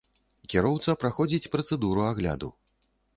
Кіроўца праходзіць працэдуру агляду.